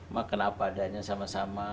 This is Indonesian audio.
makan apa adanya sama sama